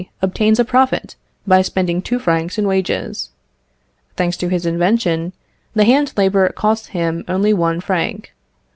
obtains a profit by spending two francs in wages. Thanks to his invention, the hand labour costs him only one franc.